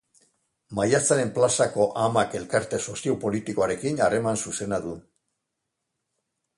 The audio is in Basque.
Maiatzaren Plazako Amak elkarte sozio-politikoarekin harreman zuzena du.